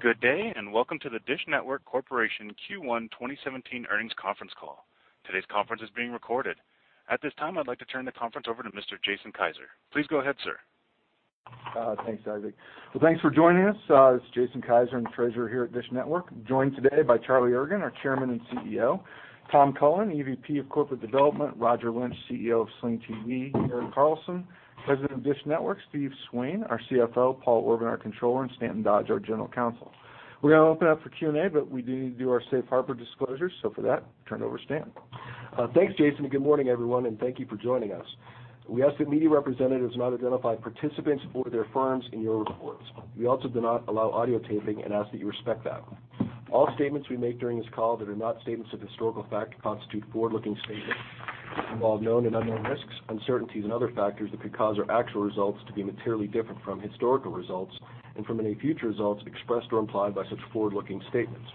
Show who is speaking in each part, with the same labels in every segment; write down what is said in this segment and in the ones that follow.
Speaker 1: Good day, and welcome to the DISH Network Corporation Q1 2017 earnings conference call. Today's conference is being recorded. At this time, I'd like to turn the conference over to Mr. Jason Kiser. Please go ahead, sir.
Speaker 2: Thanks, Isaac. Thanks for joining us. This is Jason Kiser, I'm Treasurer here at DISH Network. I'm joined today by Charlie Ergen, our Chairman and CEO, Tom Cullen, EVP of Corporate Development, Roger Lynch, CEO of Sling TV, Erik Carlson, President of DISH Network, Steve Swain, our CFO, Paul Orban, our Controller, and Stanton Dodge, our General Counsel. We're gonna open up for Q&A, but we do need to do our safe harbor disclosures. For that, turn it over to Stan.
Speaker 3: Thanks, Jason. Good morning, everyone, and thank you for joining us. We ask that media representatives not identify participants or their firms in your reports. We also do not allow audio taping and ask that you respect that. All statements we make during this call that are not statements of historical fact constitute forward-looking statements. While known and unknown risks, uncertainties and other factors that could cause our actual results to be materially different from historical results and from any future results expressed or implied by such forward-looking statements.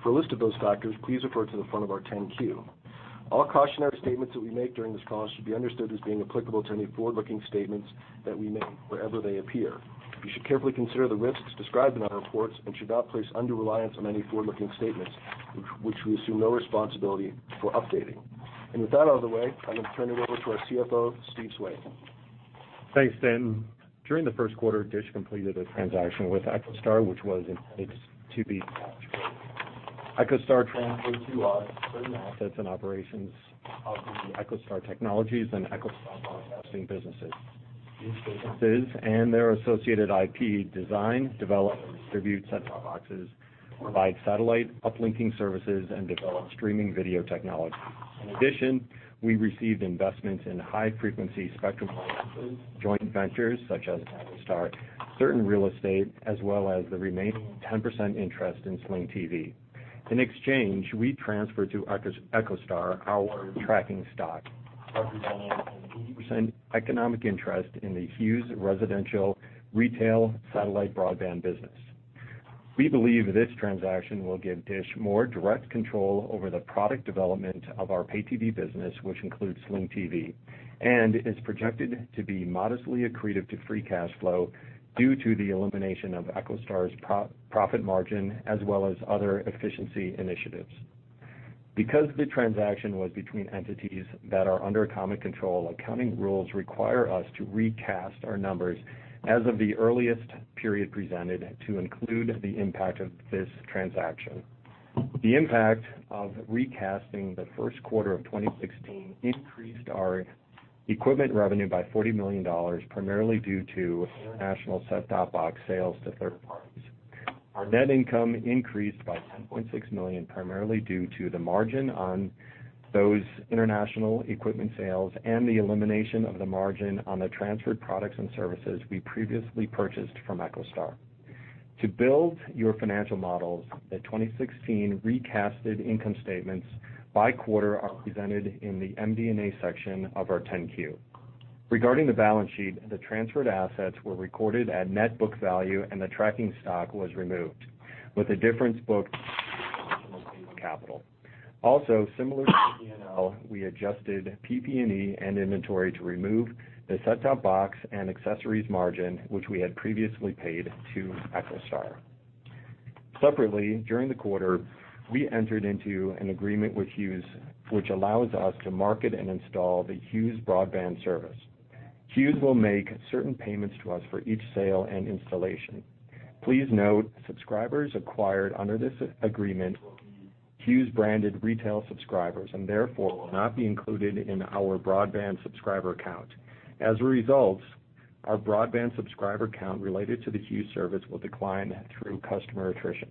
Speaker 3: For a list of those factors, please refer to the front of our 10-Q. All cautionary statements that we make during this call should be understood as being applicable to any forward-looking statements that we make wherever they appear. You should carefully consider the risks described in our reports and should not place undue reliance on any forward-looking statements, which we assume no responsibility for updating. With that out of the way, I'm gonna turn it over to our CFO, Steve Swain.
Speaker 4: Thanks, Stan. During the first quarter, DISH Network completed a transaction with EchoStar, which was intended to be. EchoStar transferred to us certain assets and operations of the EchoStar Technologies and EchoStar broadcasting businesses. These businesses and their associated IP design, develop and distribute set-top boxes, provide satellite uplinking services, and develop streaming video technology. In addition, we received investments in high frequency spectrum licenses, joint ventures such as EchoStar, certain real estate, as well as the remaining 10% interest in Sling TV. In exchange, we transferred to EchoStar our tracking stock, representing an 80% economic interest in the Hughes residential retail satellite broadband business. We believe this transaction will give DISH more direct control over the product development of our pay TV business, which includes Sling TV, and is projected to be modestly accretive to free cash flow due to the elimination of EchoStar's pro-profit margin, as well as other efficiency initiatives. Because the transaction was between entities that are under common control, accounting rules require us to recast our numbers as of the earliest period presented to include the impact of this transaction. The impact of recasting the first quarter of 2016 increased our equipment revenue by $40 million, primarily due to international set-top box sales to third parties. Our net income increased by $10.6 million, primarily due to the margin on those international equipment sales and the elimination of the margin on the transferred products and services we previously purchased from EchoStar. To build your financial models, the 2016 recasted income statements by quarter are presented in the MD&A section of our 10-Q. Regarding the balance sheet, the transferred assets were recorded at net book value and the tracking stock was removed with a difference booked capital. Similar to P&L, we adjusted PP&E and inventory to remove the set-top box and accessories margin, which we had previously paid to EchoStar. Separately, during the quarter, we entered into an agreement with Hughes, which allows us to market and install the Hughes broadband service. Hughes will make certain payments to us for each sale and installation. Please note, subscribers acquired under this agreement will be Hughes-branded retail subscribers and therefore will not be included in our broadband subscriber count. As a result, our broadband subscriber count related to the Hughes service will decline through customer attrition.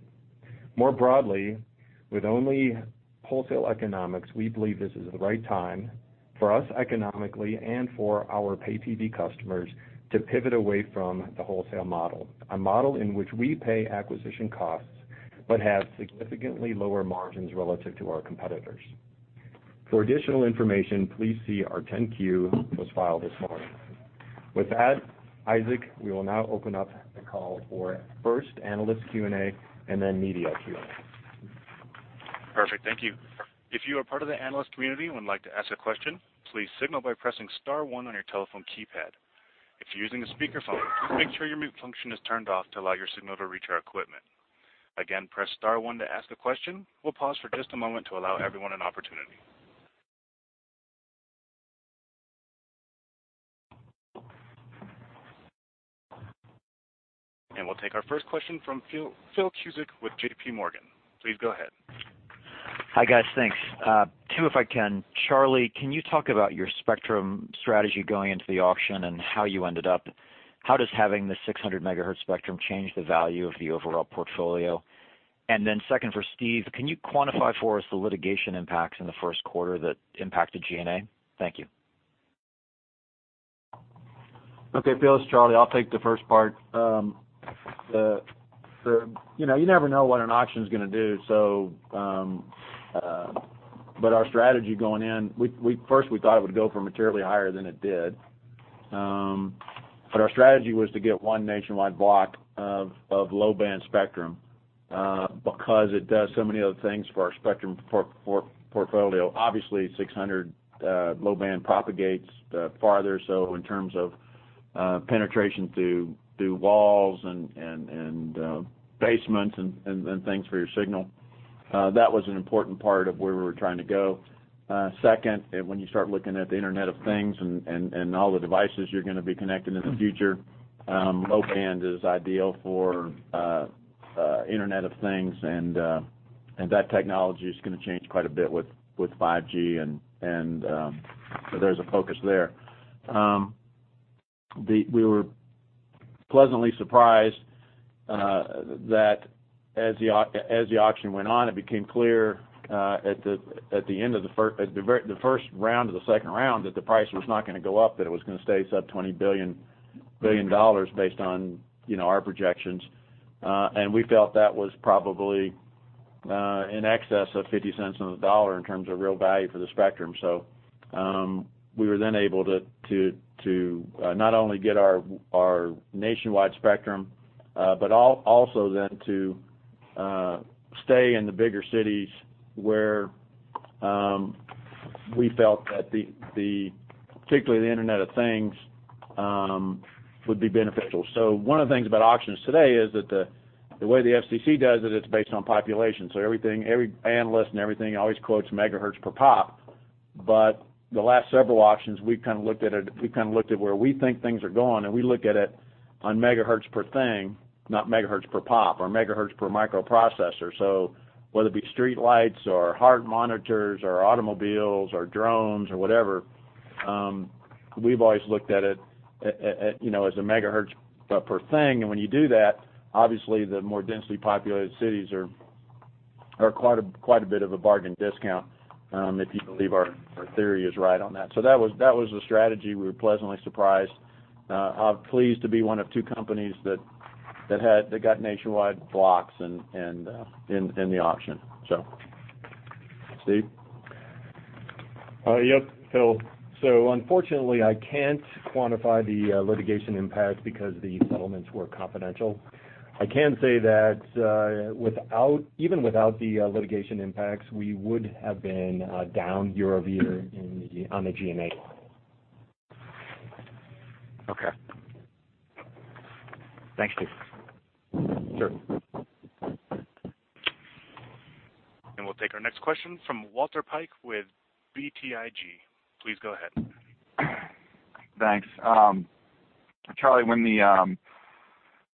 Speaker 4: More broadly, with only wholesale economics, we believe this is the right time for us economically and for our pay TV customers to pivot away from the wholesale model. A model in which we pay acquisition costs but have significantly lower margins relative to our competitors. For additional information, please see our 10-Q that was filed this morning. Isaac, we will now open up the call for first analyst Q&A and then media Q&A.
Speaker 1: Perfect. Thank you. If you are part of the analyst community and would like to ask a question, please signal by pressing star one on your telephone keypad. If you're using a speakerphone, make sure your mute function is turned off to allow your signal to reach our equipment. Again, press star one to ask a question. We'll pause for just a moment to allow everyone an opportunity. We'll take our first question from Philip Cusick with JPMorgan. Please go ahead.
Speaker 5: Hi, guys. Thanks. If I can. Charlie, can you talk about your spectrum strategy going into the auction and how you ended up? How does having the 600 MHz spectrum change the value of the overall portfolio? Second, for Steve, can you quantify for us the litigation impacts in the first quarter that impacted G&A? Thank you.
Speaker 6: Okay, Phil, this is Charlie. I'll take the first part. You know, you never know what an auction is gonna do. Our strategy going in, first, we thought it would go for materially higher than it did. Our strategy was to get one nationwide block of low-band spectrum, because it does so many other things for our spectrum portfolio. Obviously, 600 low band propagates farther, so in terms of penetration through walls and basements and things for your signal. That was an important part of where we were trying to go. Second, when you start looking at the Internet of Things and all the devices you're gonna be connecting in the future, low band is ideal for Internet of Things and that technology is gonna change quite a bit with 5G. There's a focus there. We were pleasantly surprised that as the auction went on, it became clear at the end of the first round or the second round that the price was not gonna go up, that it was gonna stay sub $20 billion based on, you know, our projections. We felt that was probably in excess of $0.50 on the dollar in terms of real value for the spectrum. We were then able to not only get our nationwide spectrum, but also then to stay in the bigger cities where we felt that particularly the Internet of Things would be beneficial. Everything, every analyst and everything always quotes MHz per pop. The last several auctions, we kind of looked at where we think things are going, and we look at it on MHz per thing, not MHz per pop or MHz per microprocessor. Whether it be streetlights or heart monitors or automobiles or drones or whatever, we've always looked at it at, you know, as a MHz per thing. When you do that, obviously the more densely populated cities are quite a bit of a bargain discount, if you believe our theory is right on that. That was the strategy. We were pleasantly surprised. Pleased to be one of two companies that got nationwide blocks and in the auction. Steve?
Speaker 4: Yep, Phil. Unfortunately, I can't quantify the litigation impact because the settlements were confidential. I can say that, even without the litigation impacts, we would have been down year-over-year on the G&A.
Speaker 5: Okay. Thanks, Steve.
Speaker 4: Sure.
Speaker 1: We'll take our next question from Walter Piecyk with BTIG. Please go ahead.
Speaker 7: Thanks. Charlie, when the,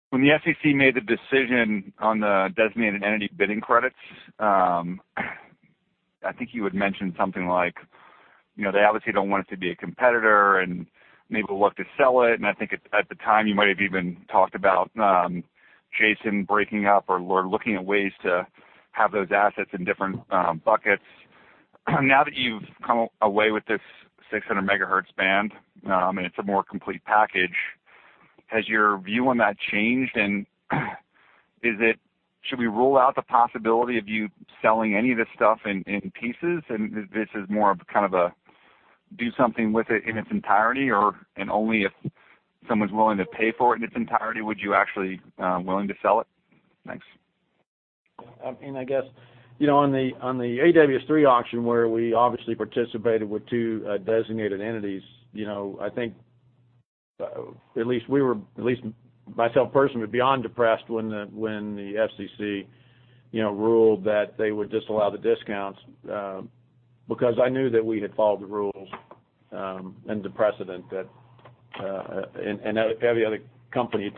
Speaker 7: when the FCC made the decision on the designated entity bidding credits, I think you had mentioned something like, you know, they obviously don't want us to be a competitor and maybe look to sell it. I think at the time, you might have even talked about, Jason breaking up or looking at ways to have those assets in different, buckets. Now that you've come away with this 600 MHz band, and it's a more complete package, has your view on that changed? Should we rule out the possibility of you selling any of this stuff in pieces, and this is more of kind of a do something with it in its entirety, or, and only if someone's willing to pay for it in its entirety, would you actually willing to sell it? Thanks.
Speaker 6: I mean, I guess, you know, on the, on the AWS-3 auction, where we obviously participated with two designated entities, you know, I think, at least myself personally was beyond depressed when the FCC, you know, ruled that they would disallow the discounts because I knew that we had followed the rules and the precedent that and every other company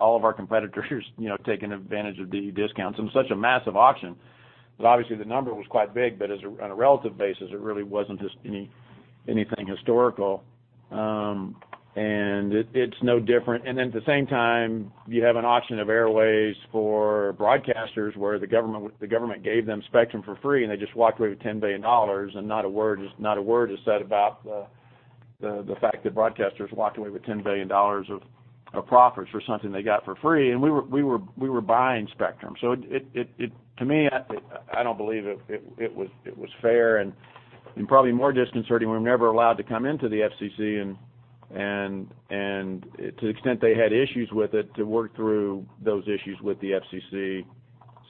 Speaker 6: all of our competitors, you know, had taken advantage of the discounts in such a massive auction. Obviously, the number was quite big, but on a relative basis, it really wasn't anything historical. It's no different. At the same time, you have an auction of airways for broadcasters, where the government gave them spectrum for free, and they just walked away with $10 billion, and not a word is said about the fact that broadcasters walked away with $10 billion of profits for something they got for free. We were buying spectrum. It, to me, I don't believe it was fair. Probably more disconcerting, we were never allowed to come into the FCC and to the extent they had issues with it, to work through those issues with the FCC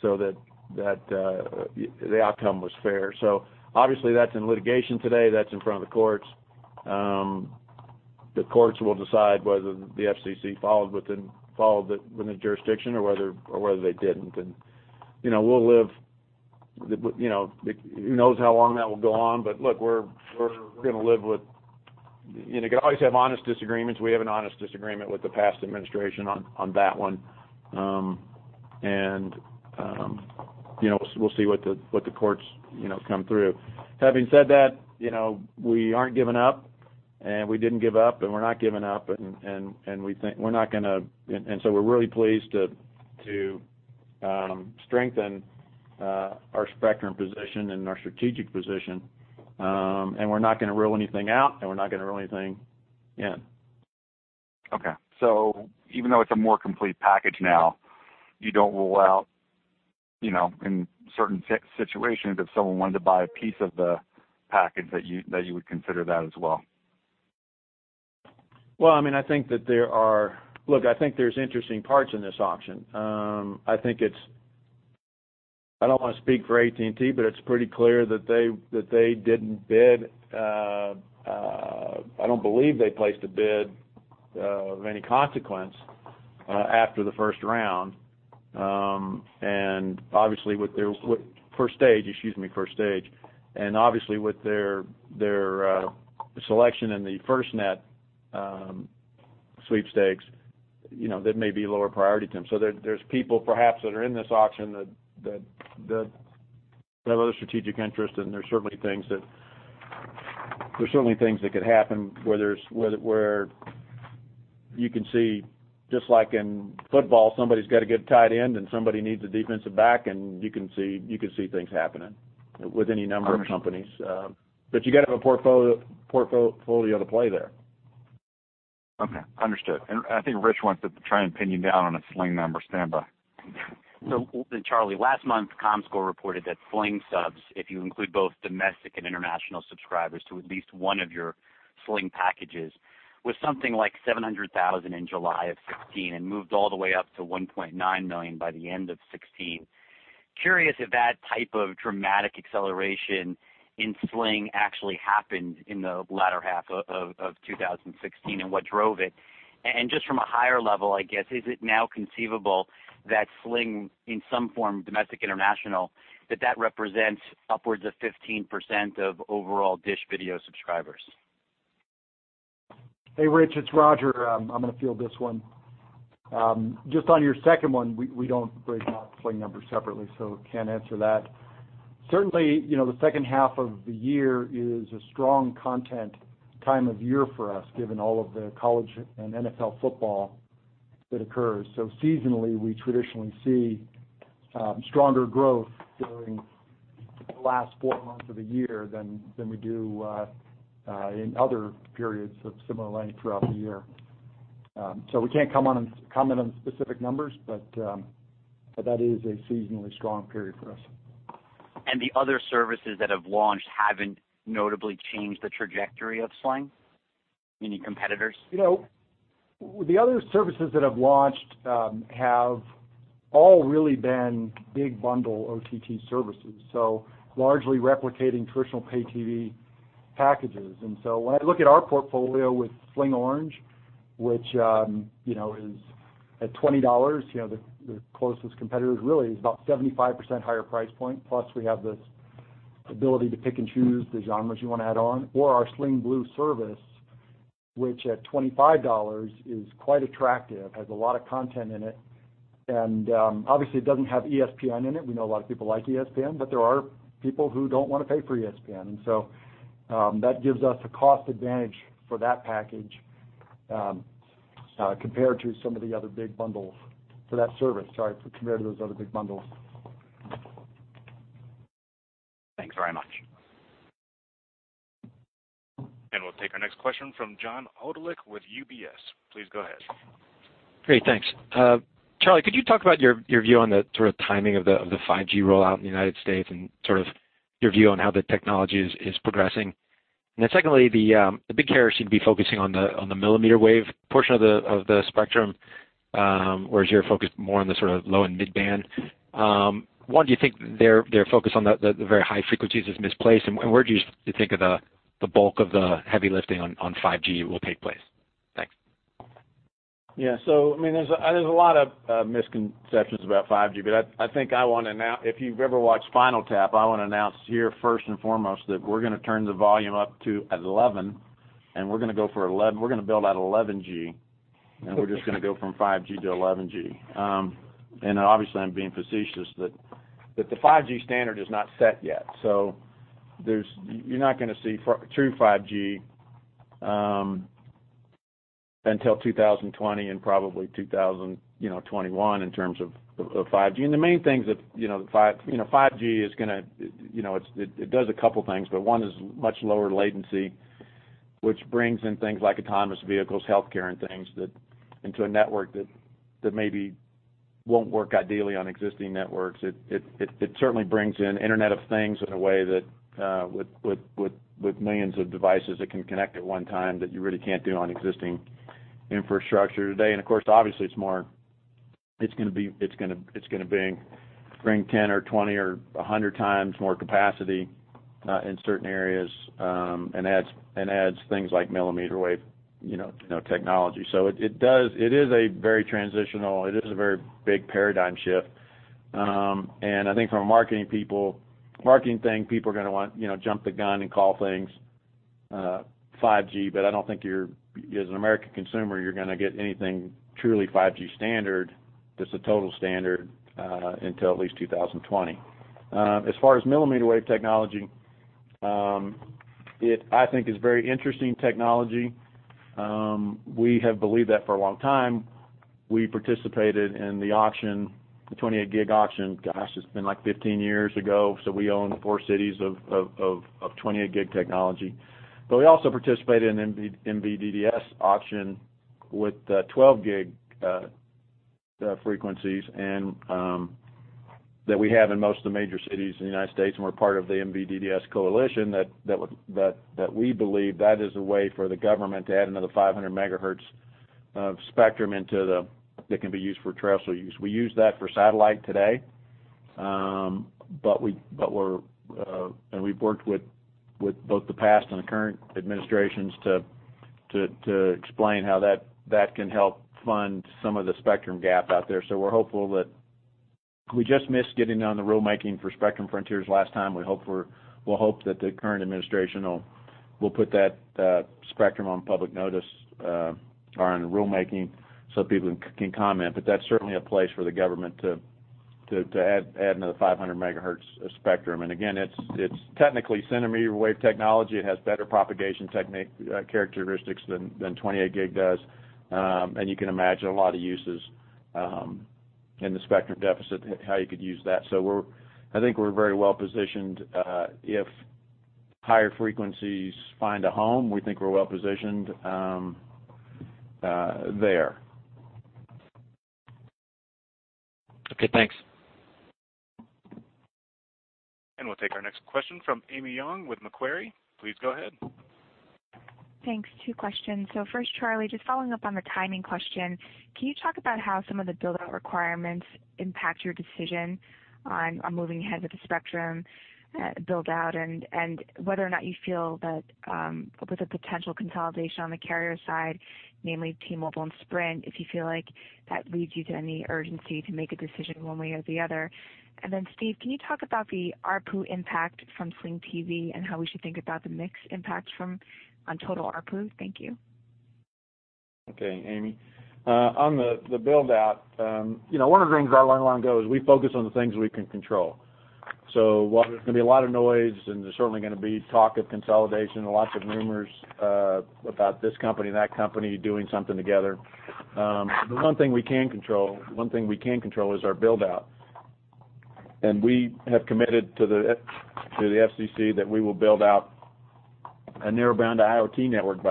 Speaker 6: so that the outcome was fair. Obviously that's in litigation today. That's in front of the courts. The courts will decide whether the FCC followed within its jurisdiction or whether they didn't. You know, we'll live with, you know, who knows how long that will go on. Look, You can always have honest disagreements. We have an honest disagreement with the past administration on that one. You know, we'll see what the courts, you know, come through. Having said that, you know, we aren't giving up, we didn't give up, and we're not giving up. We're really pleased to strengthen our spectrum position and our strategic position. We're not gonna rule anything out, and we're not gonna rule anything in.
Speaker 7: Okay. Even though it's a more complete package now, you don't rule out, you know, in certain situations, if someone wanted to buy a piece of the package that you would consider that as well?
Speaker 6: Well, I mean, I think that there's interesting parts in this auction. I think I don't wanna speak for AT&T, but it's pretty clear that they didn't bid. I don't believe they placed a bid of any consequence after the first round. Obviously with their first stage, excuse me, first stage. Obviously with their selection in the FirstNet sweepstakes, you know, that may be lower priority to them. There, there's people perhaps that are in this auction that have other strategic interest, and there's certainly things that, there's certainly things that could happen where you can see just like in football, somebody's got a good tight end and somebody needs a defensive back, and you can see things happening with any number of companies. You gotta have a portfolio to play there.
Speaker 7: Okay, understood. I think Rich wants to try and pin you down on a Sling number. Standby.
Speaker 8: Charlie, last month, Comscore reported that Sling subs, if you include both domestic and international subscribers to at least one of your Sling packages, was something like 700,000 in July of 2016 and moved all the way up to 1.9 million by the end of 2016. Curious if that type of dramatic acceleration in Sling actually happened in the latter half of 2016, and what drove it? Just from a higher level, I guess, is it now conceivable that Sling, in some form, domestic, international, that represents upwards of 15% of overall DISH video subscribers?
Speaker 9: Hey, Rich, it's Roger. I'm going to field this one. Just on your second one, we don't break out Sling numbers separately, can't answer that. Certainly, you know, the second half of the year is a strong content time of year for us, given all of the college and NFL football that occurs. Seasonally, we traditionally see stronger growth during the last four months of the year than we do in other periods of similar length throughout the year. We can't comment on specific numbers, but that is a seasonally strong period for us.
Speaker 8: The other services that have launched haven't notably changed the trajectory of Sling? Any competitors?
Speaker 9: You know, the other services that have launched, have all really been big bundle OTT services, so largely replicating traditional pay TV packages. When I look at our portfolio with Sling Orange, which, you know, is at $20, you know, the closest competitor really is about 75% higher price point. Plus we have this ability to pick and choose the genres you wanna add on. Our Sling Blue service, which at $25 is quite attractive, has a lot of content in it, and obviously it doesn't have ESPN in it. We know a lot of people like ESPN, but there are people who don't wanna pay for ESPN. That gives us a cost advantage for that package, compared to some of the other big bundles for that service, sorry, compared to those other big bundles.
Speaker 8: Thanks very much.
Speaker 1: We'll take our next question from John Hodulik with UBS. Please go ahead.
Speaker 10: Great, thanks. Charlie, could you talk about your view on the sort of timing of the 5G rollout in the U.S. and sort of your view on how the technology is progressing? Secondly, the big carriers seem to be focusing on the millimeter wave portion of the spectrum, whereas you're focused more on the sort of low and mid-band. One, do you think their focus on the very high frequencies is misplaced? Where do you think of the bulk of the heavy lifting on 5G will take place? Thanks.
Speaker 6: Yeah. I mean, there's a lot of misconceptions about 5G, but I think If you've ever watched Spinal Tap, I wanna announce here first and foremost that we're gonna turn the volume up to 11, and we're gonna build out 11G, and we're just gonna go from 5G to 11G. Obviously I'm being facetious, but the 5G standard is not set yet. You're not gonna see true 5G, until 2020 and probably 2021 in terms of 5G. The main things that, you know, 5G is gonna, you know, it does a couple things, but one is much lower latency, which brings in things like autonomous vehicles, healthcare and things that into a network that maybe won't work ideally on existing networks. It certainly brings in Internet of Things in a way that with millions of devices that can connect at 1 time that you really can't do on existing infrastructure today. Of course, obviously it's gonna be, it's gonna bring 10 or 20 or 100 times more capacity in certain areas, and adds things like millimeter wave, you know, technology. It does, it is a very transitional, it is a very big paradigm shift. I think from a marketing thing, people are gonna want, you know, jump the gun and call things 5G, but I don't think you're, as an American consumer, you're gonna get anything truly 5G standard that's a total standard until at least 2020. As far as millimeter wave technology, I think is very interesting technology. We have believed that for a long time. We participated in the auction, the 28 gig auction, gosh, it's been like 15 years ago. We own four cities of 28 gig technology. We also participated in MVDDS auction with 12 gig frequencies that we have in most of the major cities in the U.S. and we're part of the MVDDS Coalition that we believe that is a way for the government to add another 500 MHz of spectrum into that can be used for terrestrial use. We use that for satellite today. We've worked with both the past and the current administrations to explain how that can help fund some of the spectrum gap out there. We're hopeful that we just missed getting on the rulemaking for Spectrum Frontiers last time. We'll hope that the current administration will put that spectrum on public notice or on rulemaking so people can comment. That's certainly a place for the government to add another 500 MHz of spectrum. Again, it's technically centimeter wave technology. It has better propagation characteristics than 28 gig does. You can imagine a lot of uses in the spectrum deficit, how you could use that. I think we're very well-positioned, if higher frequencies find a home, we think we're well-positioned there.
Speaker 10: Okay, thanks.
Speaker 1: We'll take our next question from Amy Yong with Macquarie. Please go ahead.
Speaker 11: Thanks. Two questions. First, Charlie, just following up on the timing question, can you talk about how some of the build-out requirements impact your decision on moving ahead with the spectrum build-out and whether or not you feel that with the potential consolidation on the carrier side, namely T-Mobile and Sprint, if you feel like that leads you to any urgency to make a decision one way or the other? Then, Steve, can you talk about the ARPU impact from Sling TV and how we should think about the mix impact on total ARPU? Thank you.
Speaker 6: Okay, Amy. on the build-out, you know, one of the things our long line goes, we focus on the things we can control. While there's gonna be a lot of noise, and there's certainly gonna be talk of consolidation and lots of rumors about this company and that company doing something together, the one thing we can control is our build-out. We have committed to the FCC that we will build out a Narrowband IoT network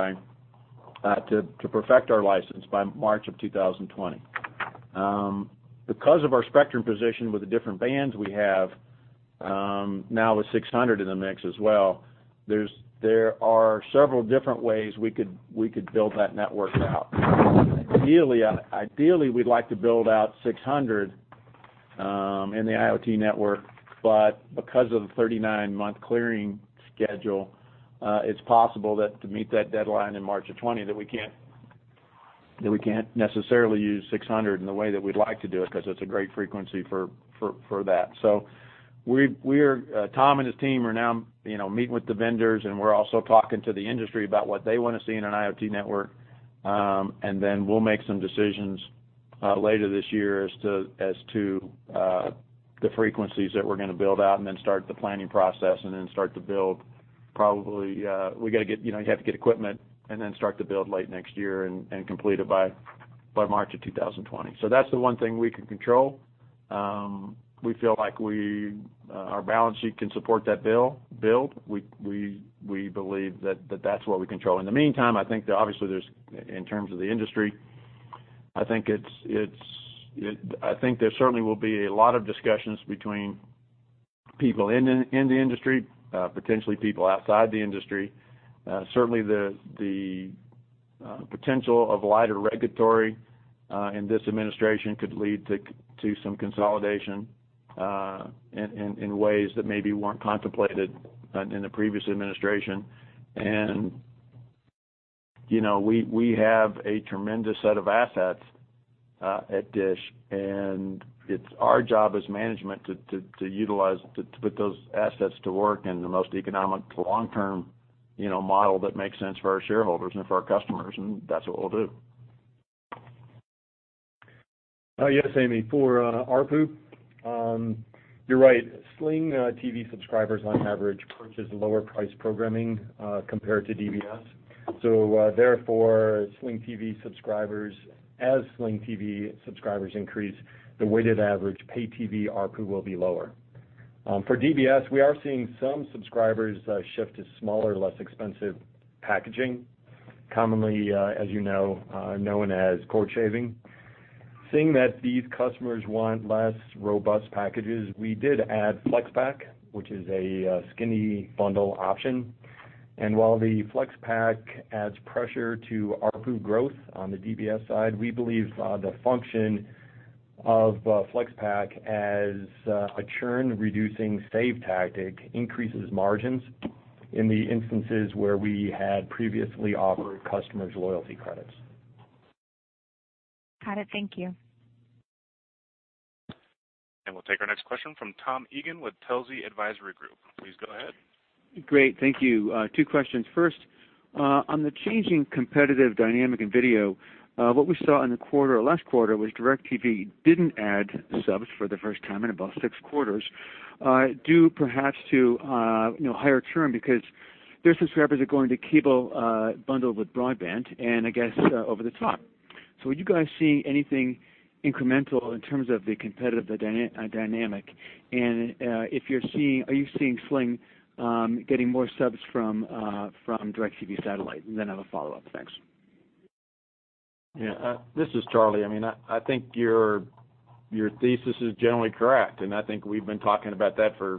Speaker 6: to perfect our license by March of 2020. Because of our spectrum position with the different bands we have, now with 600 in the mix as well, there are several different ways we could build that network out. Ideally, ideally, we'd like to build out 600 in the IoT network, but because of the 39-month clearing schedule, it's possible that to meet that deadline in March of 2020, that we can't necessarily use 600 in the way that we'd like to do it because it's a great frequency for that. We're, Tom and his team are now, you know, meeting with the vendors, and we're also talking to the industry about what they wanna see in an IoT network. We'll make some decisions later this year as to the frequencies that we're gonna build out and then start the planning process and then start to build probably, we gotta get equipment and then start to build late next year and complete it by March of 2020. That's the one thing we can control. We feel like our balance sheet can support that build. We believe that that's what we control. In the meantime, obviously, in terms of the industry, there certainly will be a lot of discussions between people in the industry, potentially people outside the industry. Certainly the potential of lighter regulatory in this administration could lead to some consolidation in ways that maybe weren't contemplated in the previous administration. You know, we have a tremendous set of assets at DISH, and it's our job as management to utilize, to put those assets to work in the most economic long-term, you know, model that makes sense for our shareholders and for our customers, and that's what we'll do.
Speaker 4: Yes, Amy, for ARPU, you're right. Sling TV subscribers on average purchase lower priced programming compared to DBS. Therefore, Sling TV subscribers as Sling TV subscribers increase, the weighted average pay TV ARPU will be lower. For DBS, we are seeing some subscribers shift to smaller, less expensive packaging, commonly, as you know, known as cord shaving. Seeing that these customers want less robust packages, we did add Flex Pack, which is a skinny bundle option. While the Flex Pack adds pressure to ARPU growth on the DBS side, we believe the function of Flex Pack as a churn-reducing save tactic increases margins in the instances where we had previously offered customers loyalty credits.
Speaker 11: Got it. Thank you.
Speaker 1: We'll take our next question from Tom Eagan with Telsey Advisory Group. Please go ahead.
Speaker 12: Great. Thank you. Two questions. First, on the changing competitive dynamic in video, what we saw in the quarter or last quarter was DIRECTV didn't add subs for the first time in about six quarters, due perhaps to, you know, higher churn because their subscribers are going to cable, bundled with broadband and I guess, over the top. Are you guys seeing anything incremental in terms of the competitive dynamic? If you're seeing, are you seeing Sling getting more subs from DIRECTV satellite? I have a follow-up. Thanks.
Speaker 6: This is Charlie. I mean, I think your thesis is generally correct, and I think we've been talking about that for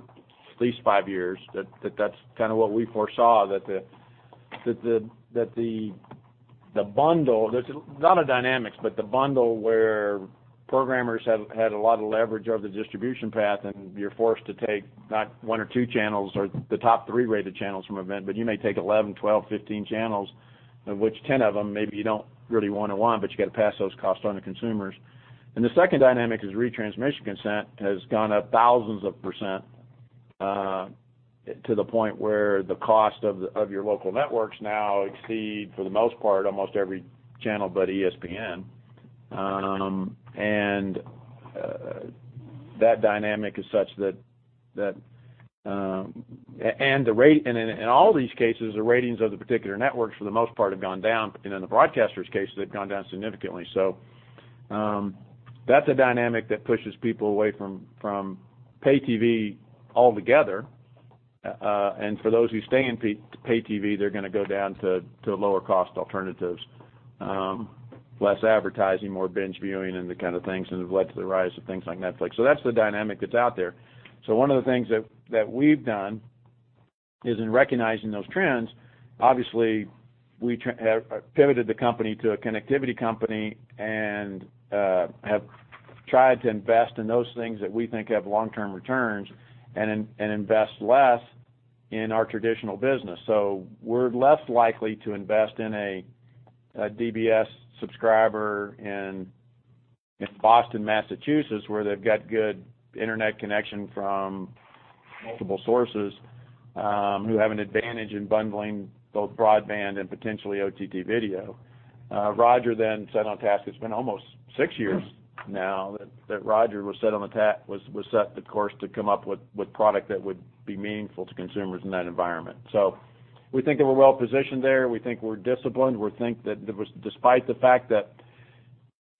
Speaker 6: at least five years that that's kind of what we foresaw, that the bundle. There's a lot of dynamics, but the bundle where programmers have had a lot of leverage over the distribution path, and you're forced to take not one or two channels or the top three rated channels from event, but you may take 11, 12, 15 channels, of which 10 of them maybe you don't really want to want, but you got to pass those costs on to consumers. The second dynamic is retransmission consent has gone up thousands of %, to the point where the cost of your local networks now exceed, for the most part, almost every channel but ESPN. That dynamic is such that in all these cases, the ratings of the particular networks, for the most part, have gone down. In the broadcasters cases, they've gone down significantly. That's a dynamic that pushes people away from pay TV altogether. For those who stay in pay TV, they're gonna go down to lower cost alternatives, less advertising, more binge viewing and the kind of things that have led to the rise of things like Netflix. That's the dynamic that's out there. One of the things we've done is in recognizing those trends, obviously we have pivoted the company to a connectivity company and have tried to invest in those things that we think have long-term returns and invest less in our traditional business. We're less likely to invest in a DBS subscriber in Boston, Massachusetts, where they've got good internet connection from multiple sources, who have an advantage in bundling both broadband and potentially OTT video. Roger then set on task. It's been almost six years now that Roger was set the course to come up with product that would be meaningful to consumers in that environment. We think that we're well positioned there. We think we're disciplined. We think that despite the fact that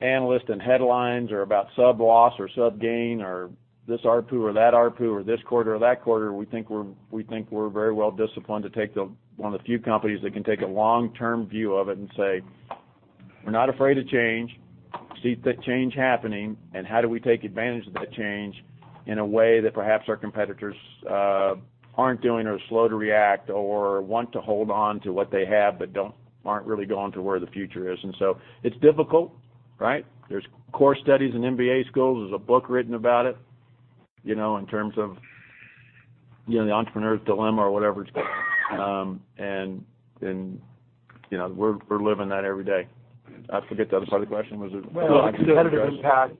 Speaker 6: analysts and headlines are about sub loss or sub gain or this ARPU or that ARPU or this quarter or that quarter, we think we're very well disciplined to take one of the few companies that can take a long-term view of it and say, "We're not afraid of change. We see the change happening, how do we take advantage of that change in a way that perhaps our competitors aren't doing or are slow to react or want to hold on to what they have, but aren't really going to where the future is? It's difficult, right? There's course studies in MBA schools. There's a book written about it, you know, in terms of, you know, the entrepreneur's dilemma or whatever it's called. You know, we're living that every day. I forget the other part of the question.
Speaker 9: Well, the competitive impact.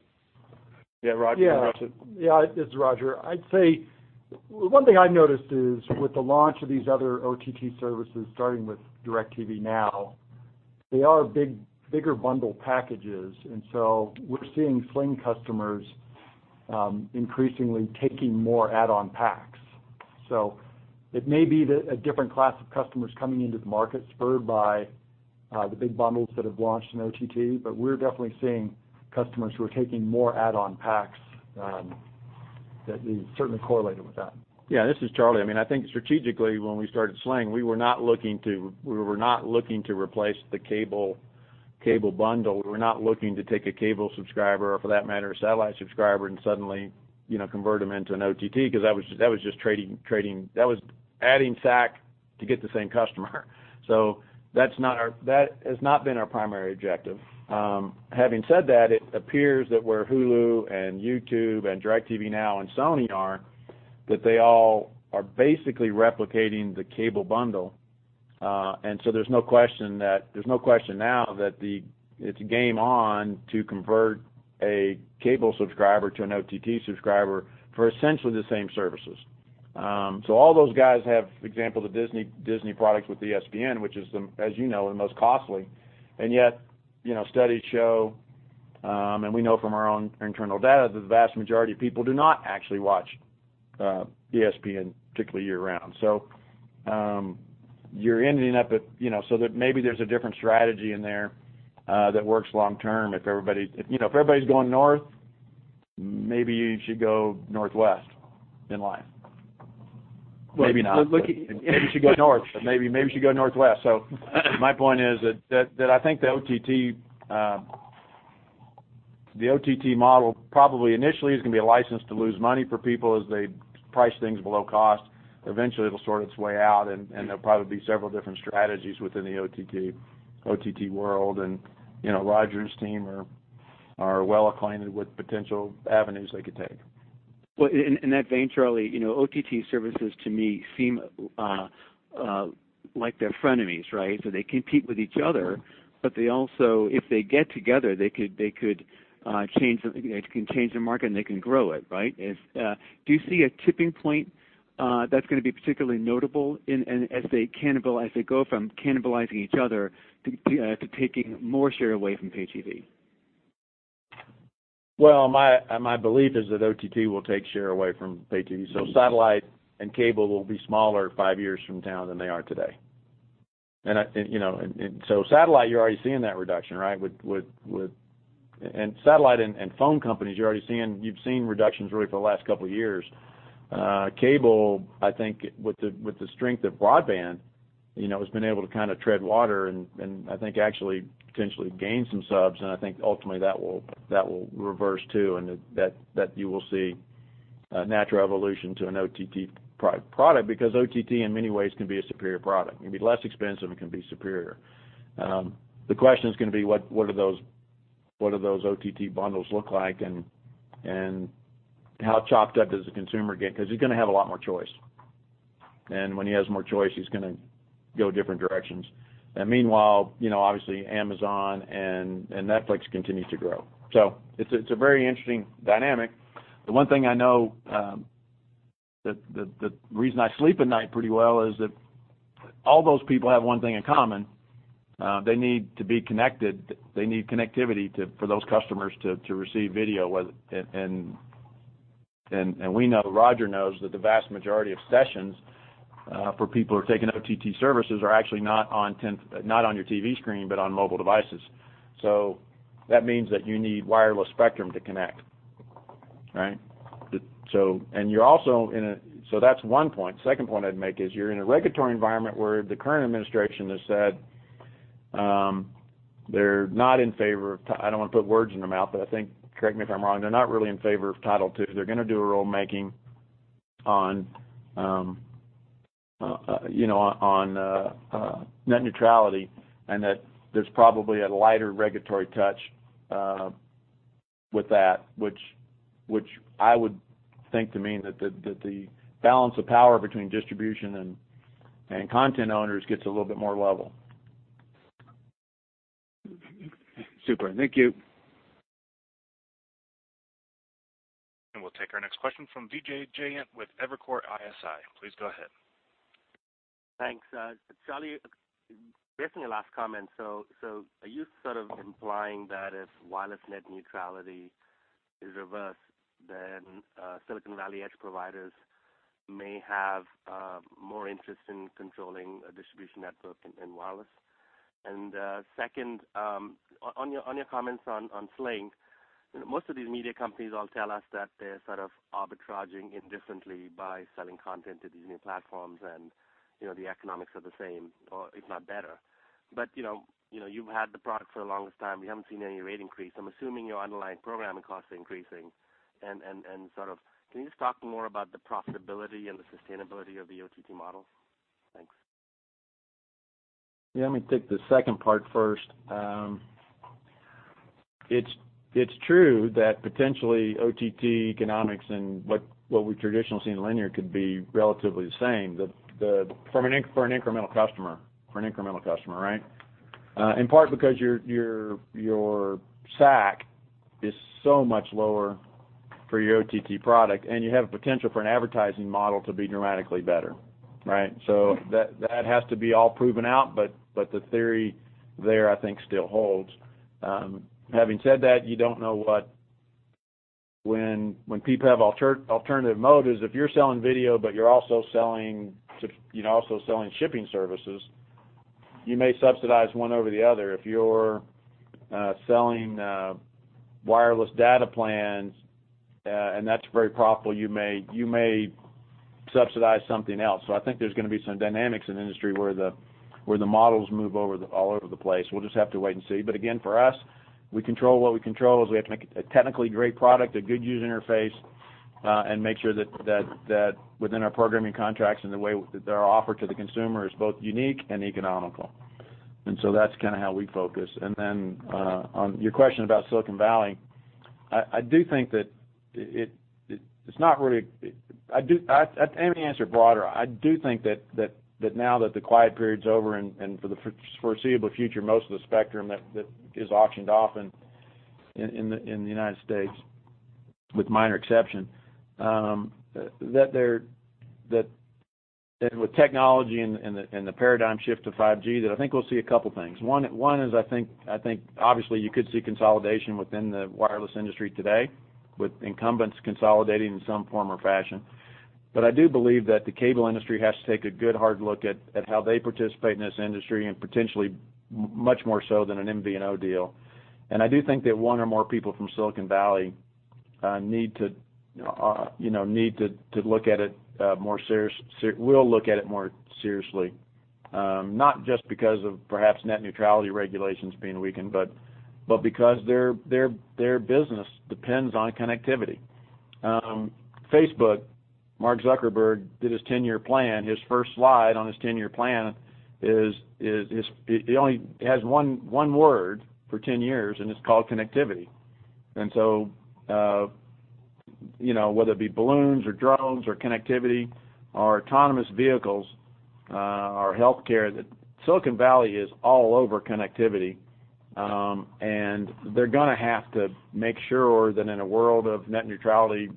Speaker 6: Yeah, Roger, you want to
Speaker 9: Yeah. Yeah, this is Roger. I'd say one thing I've noticed is with the launch of these other OTT services, starting with DIRECTV NOW, they are bigger bundle packages. We're seeing Sling customers increasingly taking more add-on packs. It may be that a different class of customers coming into the market spurred by the big bundles that have launched in OTT. We're definitely seeing customers who are taking more add-on packs, that is certainly correlated with that.
Speaker 6: Yeah. This is Charlie. I mean, I think strategically when we started Sling, we were not looking to replace the cable bundle. We were not looking to take a cable subscriber or for that matter, a satellite subscriber and suddenly, you know, convert them into an OTT because that was just trading. That was adding SAC to get the same customer. That has not been our primary objective. Having said that, it appears that where Hulu and YouTube and DIRECTV NOW and Sony are, that they all are basically replicating the cable bundle. There's no question now that it's game on to convert a cable subscriber to an OTT subscriber for essentially the same services. All those guys have examples of Disney products with ESPN, which is the, as you know, the most costly. Yet, studies show, and we know from our own internal data, that the vast majority of people do not actually watch ESPN, particularly year-round. You're ending up at, so that maybe there's a different strategy in there that works long term if everybody, if everybody's going north, maybe you should go northwest in life. Maybe not.
Speaker 9: Well.
Speaker 6: Maybe you should go north, but maybe you should go northwest. My point is that I think the OTT, the OTT model probably initially is gonna be a license to lose money for people as they price things below cost. Eventually, it'll sort its way out and there'll probably be several different strategies within the OTT world. You know, Roger's team are well acquainted with potential avenues they could take.
Speaker 12: Well, in that vein, Charlie, you know, OTT services to me seem like they're frenemies, right? They compete with each other, but they also If they get together, they could change the market and they can grow it, right? Do you see a tipping point that's gonna be particularly notable as they go from cannibalizing each other to taking more share away from pay TV?
Speaker 6: Well, my belief is that OTT will take share away from pay TV. Satellite and cable will be smaller 5 years from now than they are today. You know, satellite, you're already seeing that reduction, right? Satellite and phone companies, you've seen reductions really for the last couple of years. Cable, I think with the strength of broadband, you know, has been able to kind of tread water and I think actually potentially gain some subs, and I think ultimately that will reverse too, and that you will see a natural evolution to an OTT product because OTT in many ways can be a superior product. It can be less expensive, it can be superior. The question is gonna be what are those OTT bundles look like and how chopped up does the consumer get? Cause he's gonna have a lot more choice. When he has more choice, he's gonna go different directions. Meanwhile, you know, obviously Amazon and Netflix continue to grow. It's a very interesting dynamic. The one thing I know, that the reason I sleep at night pretty well is that all those people have one thing in common, they need to be connected. They need connectivity for those customers to receive video, whether We know, Roger knows, that the vast majority of sessions for people who are taking OTT services are actually not on your TV screen, but on mobile devices. That means that you need wireless spectrum to connect, right? That's one point. Second point I'd make is you're in a regulatory environment where the current administration has said, they're not in favor of Title II. I don't wanna put words in their mouth, but I think, correct me if I'm wrong, they're not really in favor of Title II. They're gonna do a rulemaking on net neutrality, and that there's probably a lighter regulatory touch with that, which I would think to mean that the balance of power between distribution and content owners gets a little bit more level.
Speaker 1: Super. Thank you. We'll take our next question from Vijay Jayant with Evercore ISI. Please go ahead.
Speaker 13: Thanks. Charlie, based on your last comment, are you sort of implying that if wireless net neutrality is reversed, Silicon Valley edge providers may have more interest in controlling a distribution network in wireless? Second, on your comments on Sling, most of these media companies all tell us that they're sort of arbitraging indifferently by selling content to these new platforms and, you know, the economics are the same or if not better. You've had the product for the longest time. You haven't seen any rate increase. I'm assuming your underlying programming costs are increasing. Can you just talk more about the profitability and the sustainability of the OTT model? Thanks.
Speaker 6: Yeah, let me take the second part first. It's, it's true that potentially OTT economics and what we've traditionally seen in linear could be relatively the same. For an incremental customer, right? In part because your SAC is so much lower for your OTT product, and you have potential for an advertising model to be dramatically better, right? That has to be all proven out, but the theory there, I think still holds. Having said that, you don't know when people have alternative motives, if you're selling video, but you're also selling, you know, also selling shipping services, you may subsidize one over the other. If you're selling wireless data plans, and that's very profitable, you may subsidize something else. I think there's gonna be some dynamics in the industry where the models move all over the place. We'll just have to wait and see. Again, for us, we control what we control, is we have to make a technically great product, a good user interface, and make sure that within our programming contracts and the way that they're offered to the consumer is both unique and economical. That's kinda how we focus. Then, on your question about Silicon Valley, I do think that I maybe answer broader. I do think that now that the quiet period's over and for the foreseeable future, most of the spectrum that is auctioned off in the U.S., with minor exception, that and with technology and the paradigm shift to 5G, that I think we'll see a couple of things. One is I think obviously you could see consolidation within the wireless industry today, with incumbents consolidating in some form or fashion. I do believe that the cable industry has to take a good hard look at how they participate in this industry and potentially much more so than an MVNO deal. I do think that 1 or more people from Silicon Valley, you know, need to look at it more seriously. Not just because of perhaps net neutrality regulations being weakened, but because their business depends on connectivity. Facebook, Mark Zuckerberg did his 10-year plan. His first slide on his 10-year plan is he only has one word for 10 years, and it's called connectivity. Whether it be balloons or drones or connectivity, or autonomous vehicles, or healthcare, that Silicon Valley is all over connectivity. They're gonna have to make sure that in a world of net neutrality,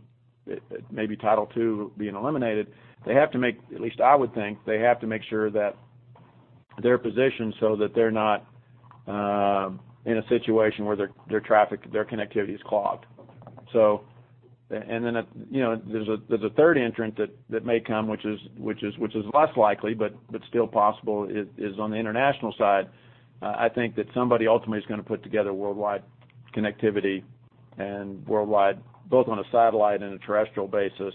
Speaker 6: maybe Title II being eliminated, they have to make, at least I would think, they have to make sure that they're positioned so that they're not in a situation where their traffic, their connectivity is clogged. You know, there's a third entrant that may come, which is less likely, but still possible, is on the international side. I think that somebody ultimately is gonna put together worldwide connectivity and worldwide, both on a satellite and a terrestrial basis.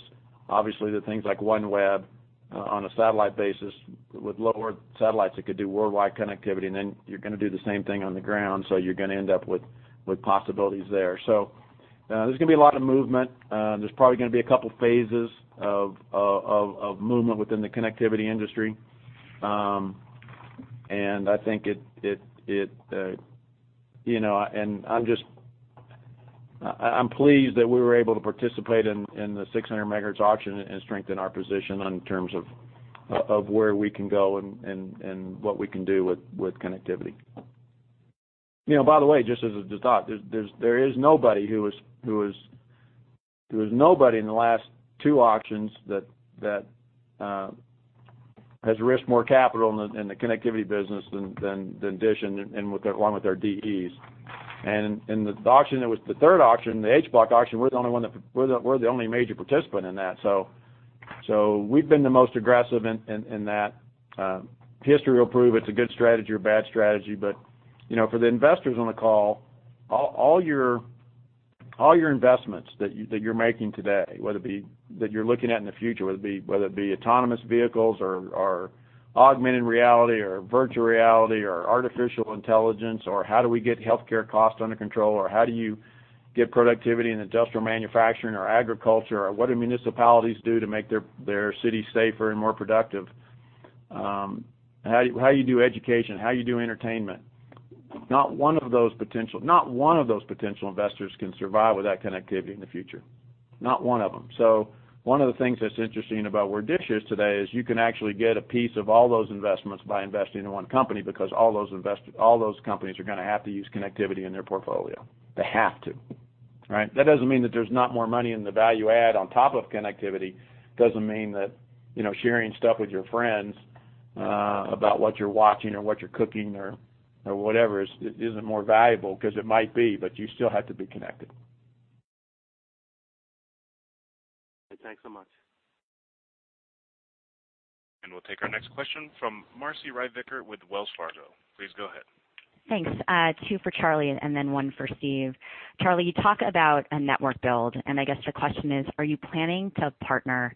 Speaker 6: Obviously, the things like OneWeb on a satellite basis with lower satellites that could do worldwide connectivity, and then you're gonna do the same thing on the ground, so you're gonna end up with possibilities there. There's gonna be a lot of movement. There's probably gonna be a couple phases of movement within the connectivity industry. I think it, you know, and I'm pleased that we were able to participate in the 600 MHz auction and strengthen our position in terms of where we can go and what we can do with connectivity. You know, by the way, just as a thought, there is nobody who is nobody in the last two auctions that has risked more capital in the connectivity business than DISH and along with their DEs. In the auction that was the third auction, the H Block auction, we're the only major participant in that. We've been the most aggressive in that. History will prove it's a good strategy or bad strategy, but, you know, for the investors on the call, all your investments that you're making today, whether it be that you're looking at in the future, whether it be autonomous vehicles or augmented reality or virtual reality or artificial intelligence, or how do we get healthcare costs under control, or how do you get productivity in industrial manufacturing or agriculture, or what do municipalities do to make their city safer and more productive? How you do education? How you do entertainment? Not one of those potential investors can survive without connectivity in the future. Not one of them. One of the things that's interesting about where DISH is today is you can actually get a piece of all those investments by investing in one company, because all those companies are gonna have to use connectivity in their portfolio. They have to, right? That doesn't mean that there's not more money in the value add on top of connectivity, doesn't mean that, you know, sharing stuff with your friends about what you're watching or what you're cooking or whatever is, isn't more valuable, 'cause it might be, but you still have to be connected.
Speaker 13: Thanks so much.
Speaker 1: We'll take our next question from Marci Ryvicker with Wells Fargo. Please go ahead.
Speaker 14: Thanks. Two for Charlie and then one for Steve. Charlie, you talk about a network build, and I guess the question is, are you planning to partner?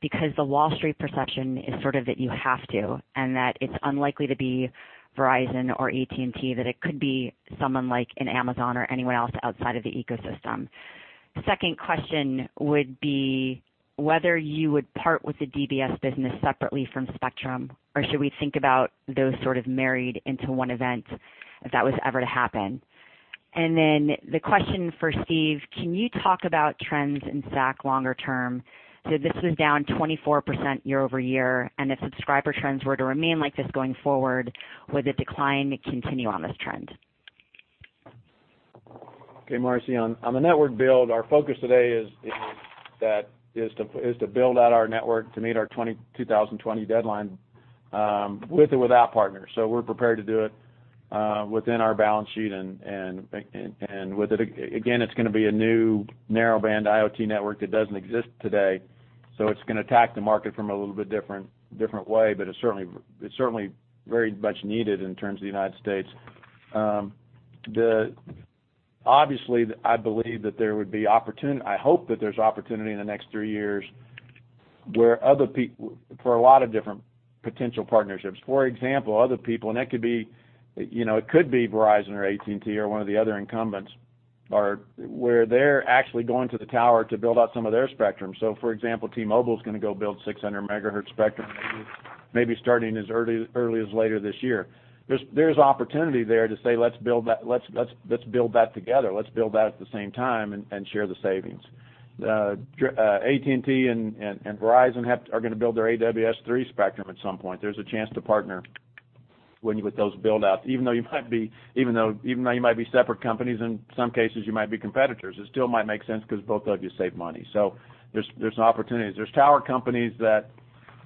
Speaker 14: Because the Wall Street perception is sort of that you have to, and that it's unlikely to be Verizon or AT&T, that it could be someone like an Amazon or anyone else outside of the ecosystem. Second question would be whether you would part with the DBS business separately from Spectrum, or should we think about those sort of married into one event if that was ever to happen? The question for Steve, can you talk about trends in SAC longer term? So this was down 24% year-over-year, and if subscriber trends were to remain like this going forward, would the decline continue on this trend?
Speaker 6: Okay, Marci, on the network build, our focus today is to build out our network to meet our 2020 deadline with or without partners. We're prepared to do it within our balance sheet and with it. Again, it's gonna be a new Narrowband IoT network that doesn't exist today, so it's gonna attack the market from a little bit different way. It's certainly very much needed in terms of the United States. Obviously, I believe that there would be I hope that there's opportunity in the next three years where for a lot of different potential partnerships. For example, other people, and that could be, you know, it could be Verizon or AT&T or one of the other incumbents, are where they're actually going to the tower to build out some of their spectrum. For example, T-Mobile is going to go build 600 MHz spectrum, maybe starting as early as later this year. There's opportunity there to say, "Let's build that. Let's build that together. Let's build that at the same time and share the savings." AT&T and Verizon are going to build their AWS-3 spectrum at some point. There's a chance to partner with those build outs, even though you might be separate companies, in some cases, you might be competitors, it still might make sense because both of you save money. There's an opportunity. There's tower companies that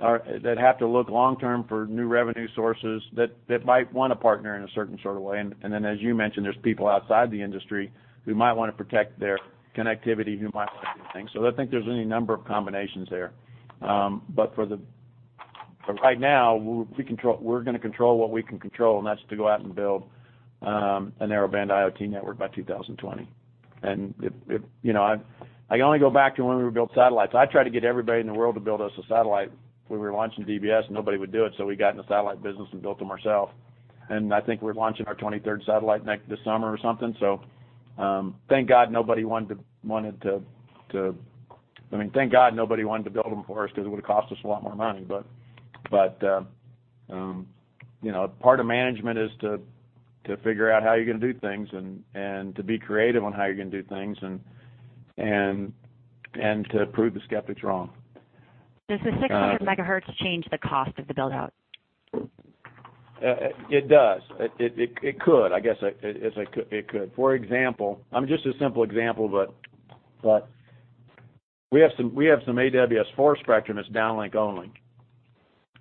Speaker 6: have to look long-term for new revenue sources that might wanna partner in a certain sort of way. As you mentioned, there's people outside the industry who might wanna protect their connectivity, who might wanna do things. I think there's any number of combinations there. But right now, we're gonna control what we can control, and that's to go out and build a Narrowband IoT network by 2020. It, you know, I can only go back to when we would build satellites. I tried to get everybody in the world to build us a satellite when we were launching DBS, and nobody would do it, so we got in the satellite business and built them ourselves. I think we're launching our 23rd satellite this summer or something. I mean, thank God, nobody wanted to build them for us because it would've cost us a lot more money. You know, part of management is to figure out how you're gonna do things and to be creative on how you're gonna do things and to prove the skeptics wrong.
Speaker 14: Does the 600 MHz change the cost of the build out?
Speaker 6: It does. It could. I guess it could. For example, just a simple example, but we have some AWS-4 spectrum that's downlink only,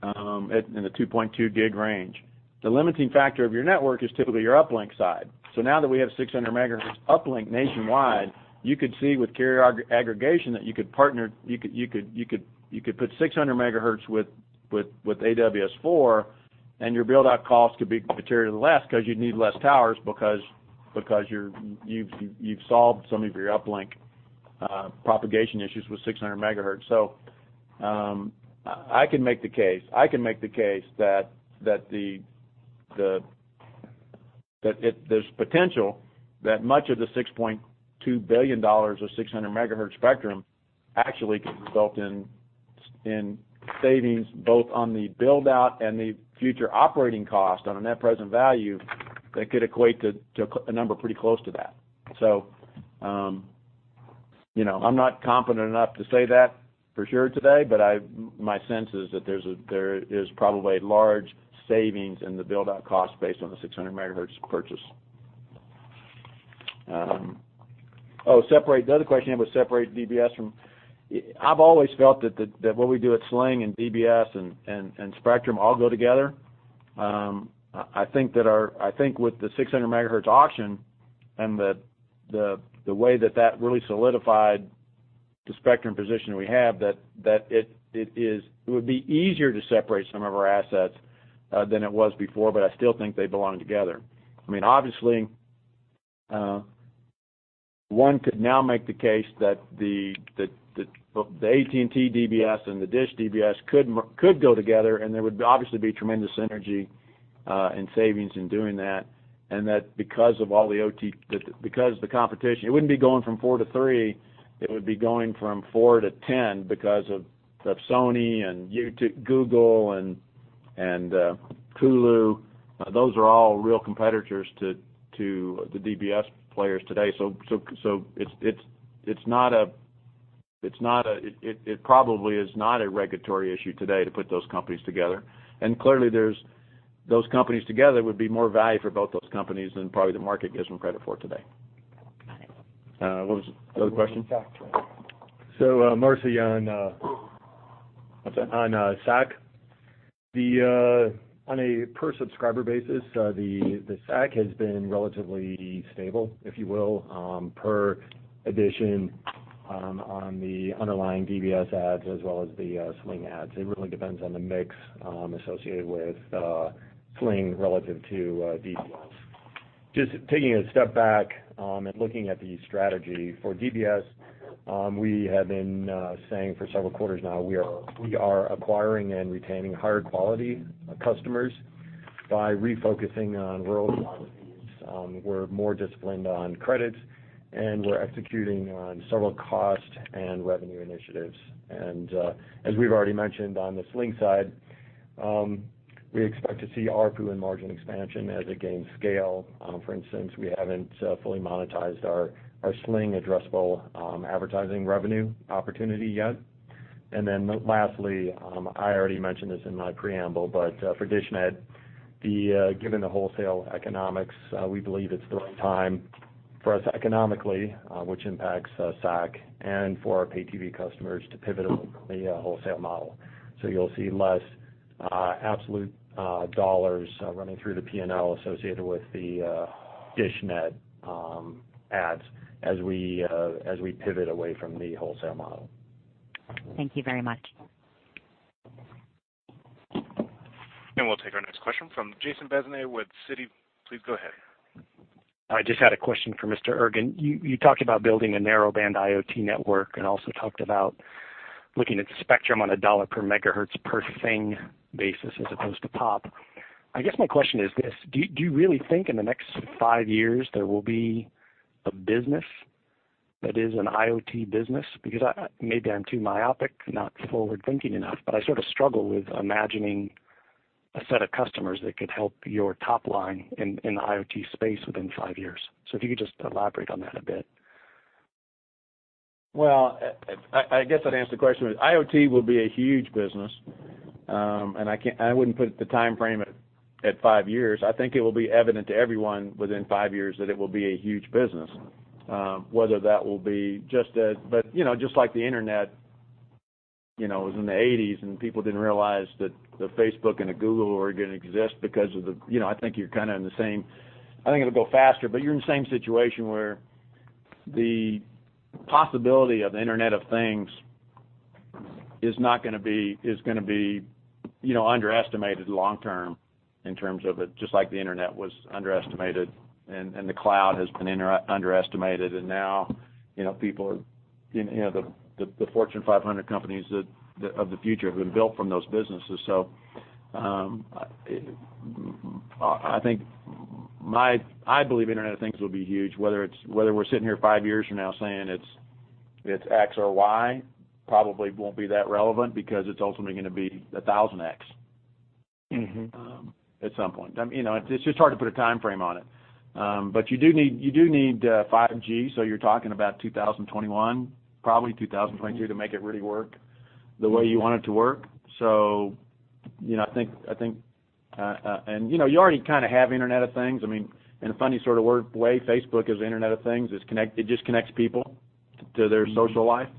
Speaker 6: at, in the 2.2 gig range. The limiting factor of your network is typically your uplink side. Now that we have 600 MHz uplink nationwide, you could see with carrier aggregation that you could put 600 MHz with AWS-4. Your build-out cost could be materially less because you need less towers because you've solved some of your uplink, propagation issues with 600 MHz. I can make the case. I can make the case that there's potential that much of the $6.2 billion of 600 MHz spectrum actually could result in savings both on the build-out and the future operating cost on a net present value that could equate to a number pretty close to that. You know, I'm not confident enough to say that for sure today, but my sense is that there is probably large savings in the build-out cost based on the 600 MHz purchase. The other question you had was separate DBS from. I've always felt that what we do at Sling and DBS and Spectrum all go together. I think with the 600 MHz auction and the way that that really solidified the spectrum position we have, that it would be easier to separate some of our assets than it was before. I still think they belong together. I mean, obviously, one could now make the case that the AT&T DBS and the DISH DBS could go together, and there would obviously be tremendous synergy and savings in doing that. That because of all the OTT because the competition, it wouldn't be going from 4 to 3, it would be going from 4 to 10 because of Sony and YouTube Google and Hulu. Those are all real competitors to the DBS players today. It's not a regulatory issue today to put those companies together. Clearly, those companies together would be more value for both those companies than probably the market gives them credit for today.
Speaker 14: Got it.
Speaker 6: What was the other question? So Marci on. What's that? On SAC. On a per subscriber basis, the SAC has been relatively stable, if you will, per addition, on the underlying DBS ads as well as the Sling ads. It really depends on the mix associated with Sling relative to DBS. Just taking a step back and looking at the strategy for DBS, we have been saying for several quarters now, we are acquiring and retaining higher quality customers by refocusing on rural opportunities. We're more disciplined on credits, and we're executing on several cost and revenue initiatives. As we've already mentioned on the Sling side, we expect to see ARPU and margin expansion as it gains scale. For instance, we haven't fully monetized our Sling addressable advertising revenue opportunity yet. Lastly, I already mentioned this in my preamble, for DISH Network, given the wholesale economics, we believe it's the right time for us economically, which impacts SAC and for our pay TV customers to pivot away from the wholesale model. You'll see less absolute dollars running through the P&L associated with the DISH Network ads as we pivot away from the wholesale model. Thank you very much.
Speaker 1: We'll take our next question from Jason Bazinet with Citi. Please go ahead.
Speaker 15: I just had a question for Mr. Ergen. You talked about building a Narrowband IoT network and also talked about looking at the spectrum on a $ per MHz per thing basis as opposed to pop. I guess my question is this: Do you really think in the next five years there will be a business that is an IoT business? I, maybe I'm too myopic, not forward-thinking enough, but I sort of struggle with imagining a set of customers that could help your top line in the IoT space within five years. If you could just elaborate on that a bit.
Speaker 6: Well, I guess I'd answer the question with IoT will be a huge business, I wouldn't put the timeframe at five years. I think it will be evident to everyone within five years that it will be a huge business. Whether that will be, you know, just like the Internet, you know, it was in the 1980s, and people didn't realize that the Facebook and the Google were gonna exist because of the. You know, I think you're kind of in the same I think it'll go faster, but you're in the same situation where the possibility of the Internet of Things is not gonna be, is gonna be, you know, underestimated long term in terms of it, just like the Internet was underestimated and the cloud has been underestimated. Now, you know, people are, you know, the Fortune 500 companies of the future have been built from those businesses. I believe Internet of Things will be huge, whether we're sitting here five years from now saying it's X or Y probably won't be that relevant because it's ultimately gonna be 1,000X. At some point. I mean, you know, it's just hard to put a timeframe on it. You do need 5G, so you're talking about 2021, probably 2022 to make it really work the way you want it to work. You know, I think you know, you already kind of have Internet of Things. I mean, in a funny sort of weird way, Facebook is Internet of Things. It just connects people to their social life,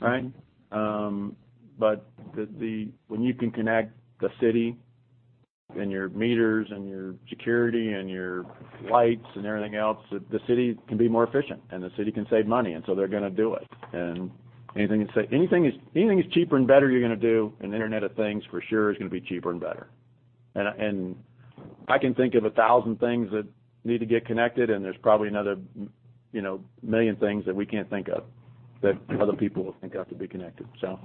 Speaker 6: right? When you can connect the city and your meters and your security and your lights and everything else, the city can be more efficient, the city can save money, they're gonna do it. Anything that's cheaper and better you're gonna do in Internet of Things, for sure is gonna be cheaper and better. I can think of 1,000 things that need to get connected, and there's probably another, you know, 1 million things that we can't think of that other people will think of to be connected, so.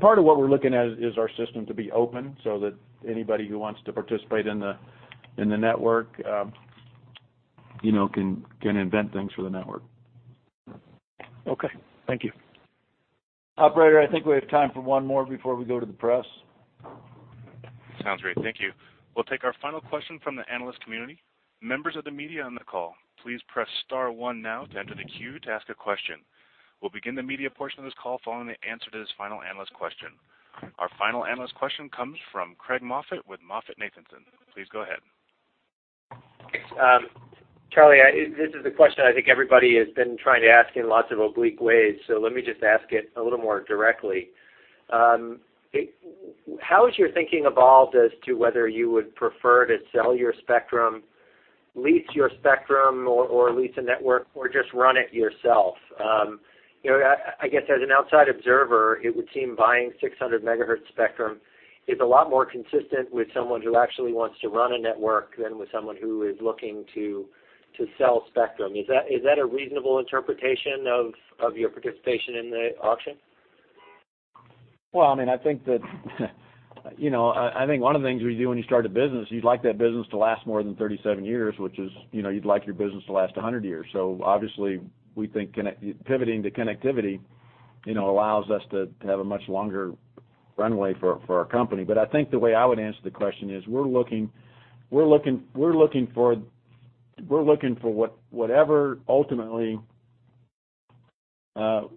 Speaker 6: Part of what we're looking at is our system to be open so that anybody who wants to participate in the, in the network, you know, can invent things for the network.
Speaker 15: Okay. Thank you.
Speaker 6: Operator, I think we have time for one more before we go to the press.
Speaker 1: Sounds great. Thank you. We'll take our final question from the analyst community. We'll begin the media portion of this call following the answer to this final analyst question. Our final analyst question comes from Craig Moffett with MoffettNathanson. Please go ahead.
Speaker 16: Thanks. Charlie, this is the question I think everybody has been trying to ask in lots of oblique ways, so let me just ask it a little more directly. How has your thinking evolved as to whether you would prefer to sell your spectrum, lease your spectrum or lease a network, or just run it yourself? You know, I guess as an outside observer, it would seem buying 600 MHz spectrum is a lot more consistent with someone who actually wants to run a network than with someone who is looking to sell spectrum. Is that a reasonable interpretation of your participation in the auction?
Speaker 6: I mean, I think that, you know, I think one of the things we do when you start a business, you'd like that business to last more than 37 years, which is, you know, you'd like your business to last 100 years. Obviously, we think pivoting to connectivity, you know, allows us to have a much longer runway for our company. I think the way I would answer the question is, we're looking for whatever ultimately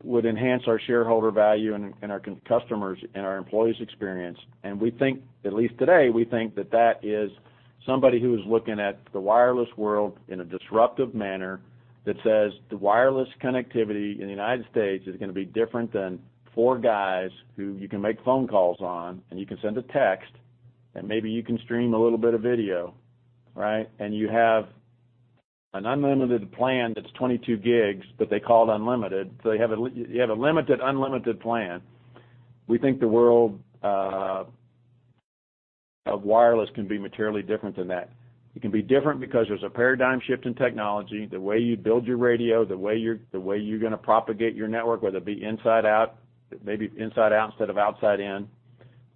Speaker 6: would enhance our shareholder value and our customers and our employees' experience. We think, at least today, we think that that is somebody who is looking at the wireless world in a disruptive manner that says the wireless connectivity in the United States is gonna be different than four guys who you can make phone calls on, and you can send a text, and maybe you can stream a little bit of video, right? You have an unlimited plan that’s 22 gigs that they called unlimited. You have a limited unlimited plan. We think the world of wireless can be materially different than that. It can be different because there's a paradigm shift in technology, the way you build your radio, the way you're gonna propagate your network, whether it be inside out, maybe inside out instead of outside in,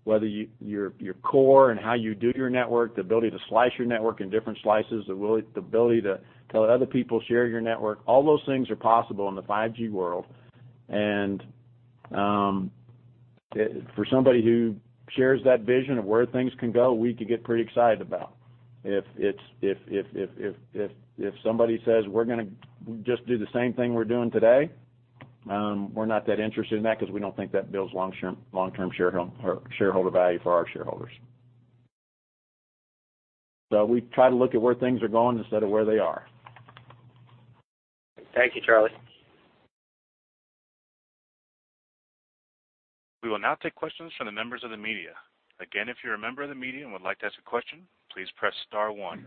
Speaker 6: whether your core and how you do your network, the ability to slice your network in different slices, the ability to tell other people share your network. All those things are possible in the 5G world. For somebody who shares that vision of where things can go, we could get pretty excited about. If somebody says, "We're gonna just do the same thing we're doing today," we're not that interested in that because we don't think that builds long-term shareholder value for our shareholders. We try to look at where things are going instead of where they are.
Speaker 16: Thank you, Charlie.
Speaker 1: We will now take questions from the members of the media. Again, if you're a member of the media and would like to ask a question, please press star one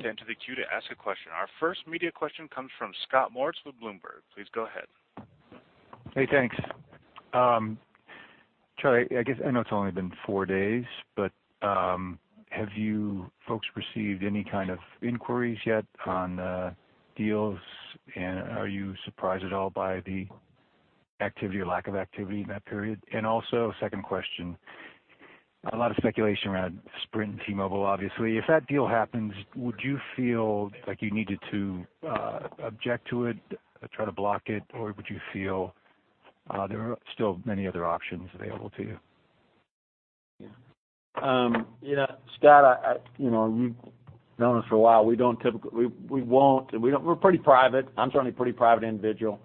Speaker 1: to enter the queue to ask a question. Our first media question comes from Scott Moritz with Bloomberg. Please go ahead.
Speaker 17: Hey, thanks. Charlie, I guess I know it's only been four days, have you folks received any kind of inquiries yet on deals? Are you surprised at all by the activity or lack of activity in that period? Second question, a lot of speculation around Sprint and T-Mobile, obviously. If that deal happens, would you feel like you needed to object to it or try to block it, or would you feel there are still many other options available to you?
Speaker 6: Yeah. you know, Scott, you know, you've known us for a while. We won't, and we don't. We're pretty private. I'm certainly a pretty private individual.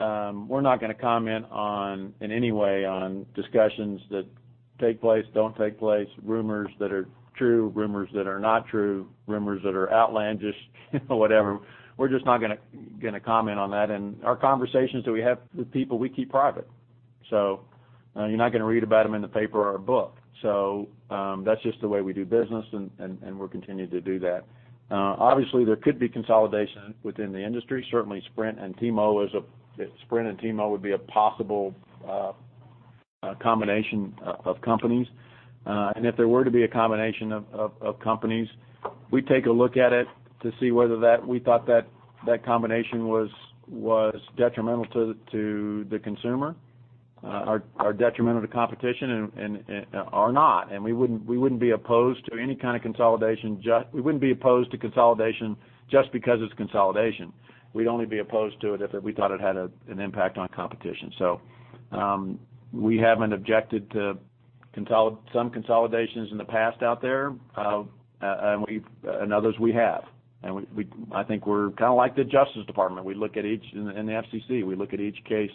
Speaker 6: We're not gonna comment on, in any way on discussions that take place, don't take place, rumors that are true, rumors that are not true, rumors that are outlandish, whatever. We're just not gonna comment on that. Our conversations that we have with people, we keep private. You're not gonna read about them in the paper or a book. That's just the way we do business, and we'll continue to do that. Obviously, there could be consolidation within the industry. Certainly, Sprint and T-Mo would be a possible combination of companies. If there were to be a combination of companies, we'd take a look at it to see whether that we thought that combination was detrimental to the consumer or detrimental to competition and are not. We wouldn't be opposed to any kind of consolidation just because it's consolidation. We'd only be opposed to it if we thought it had an impact on competition. We haven't objected to some consolidations in the past out there. Others we have. We, I think we're kind of like the Justice Department. We look at each, and the FCC, we look at each case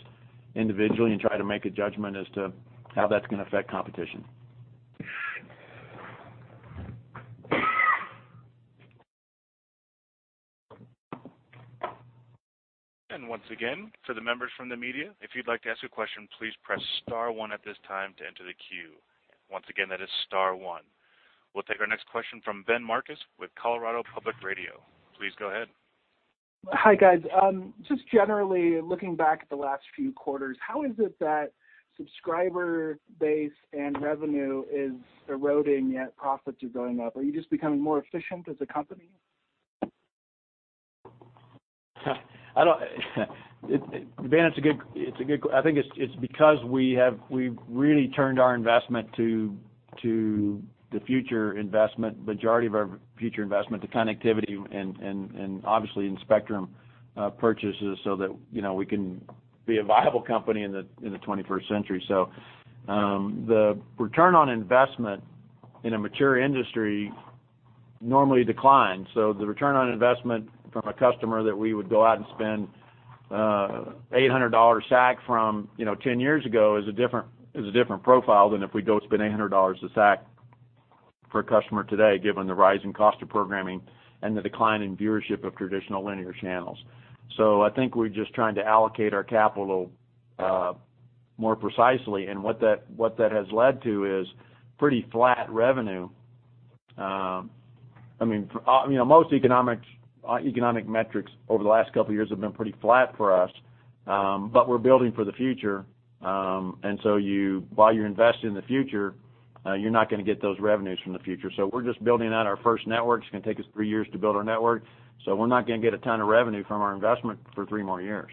Speaker 6: individually and try to make a judgment as to how that's gonna affect competition.
Speaker 1: Once again, to the members from the media, if you'd like to ask a question, please press star one at this time to enter the queue. Once again, that is star one. We'll take our next question from Ben Markus with Colorado Public Radio. Please go ahead.
Speaker 18: Hi, guys. Just generally looking back at the last few quarters, how is it that subscriber base and revenue is eroding, yet profits are going up? Are you just becoming more efficient as a company?
Speaker 6: I don't Ben, it's a good, I think it's because we've really turned our investment to the future investment, majority of our future investment to connectivity and obviously in spectrum purchases so that, you know, we can be a viable company in the 21st century. The return on investment in a mature industry normally declines. The return on investment from a customer that we would go out and spend $800 SAC from, you know, 10 years ago is a different profile than if we go spend $800 SAC for a customer today, given the rise in cost of programming and the decline in viewership of traditional linear channels. I think we're just trying to allocate our capital more precisely. What that has led to is pretty flat revenue. I mean, you know, most economic metrics over the last two years have been pretty flat for us. We're building for the future. While you're investing in the future, you're not gonna get those revenues from the future. We're just building out our first network. It's gonna take us three years to build our network. We're not gonna get a ton of revenue from our investment for three more years,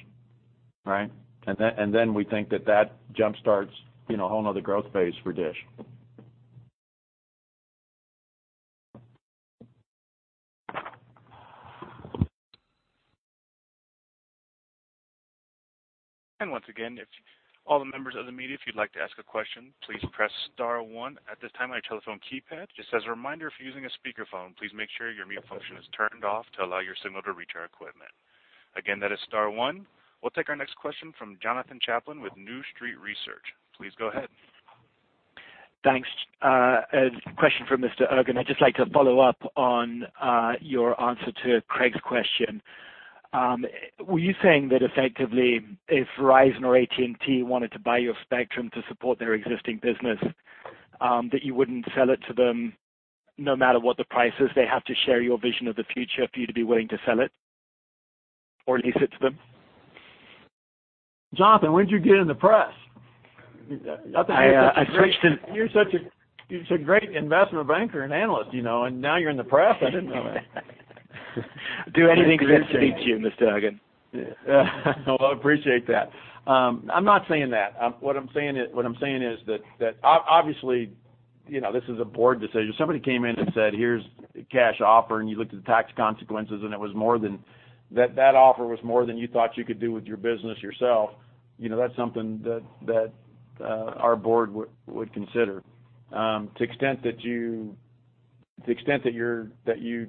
Speaker 6: right? Then we think that that jump-starts, you know, a whole another growth phase for DISH.
Speaker 1: Once again, if all the members of the media, if you'd like to ask a question, please press star one at this time on your telephone keypad. Just as a reminder, if you're using a speakerphone, please make sure your mute function is turned off to allow your signal to reach our equipment. Again, that is star one. We'll take our next question from Jonathan Chaplin with New Street Research. Please go ahead.
Speaker 19: Thanks. A question for Mr. Ergen. I'd just like to follow up on your answer to Craig's question. Were you saying that effectively, if Verizon or AT&T wanted to buy your spectrum to support their existing business, that you wouldn't sell it to them no matter what the price is? They have to share your vision of the future for you to be willing to sell it or lease it to them?
Speaker 6: Jonathan, where'd you get in the press?
Speaker 19: I switched.
Speaker 6: You're such a great investment banker and analyst, you know, and now you're in the press. I didn't know that.
Speaker 19: Do anything to get to you, Mr. Ergen.
Speaker 6: Well, I appreciate that. I'm not saying that. What I'm saying is that obviously, you know, this is a board decision. If somebody came in and said, "Here's a cash offer," and you looked at the tax consequences, and it was more than that offer was more than you thought you could do with your business yourself, you know, that's something that our board would consider. To extent that you're, that you